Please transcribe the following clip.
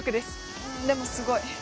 うんでもすごい。